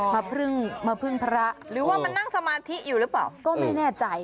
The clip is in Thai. หรือว่ามันนั่งสมาธิอยู่หรือเปล่าก็ไม่แน่ใจ